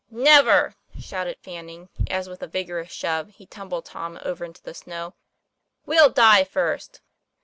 'Never!" shouted Fanning, as with a vigorous shove he tumbled Tom over into the snow. "We'll die first."